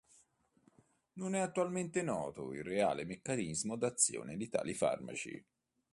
Non è attualmente noto il reale meccanismo d'azione di tali farmaci.